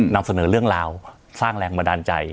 นำเสนอเรื่องราวสร้างแรงบันดาลใจ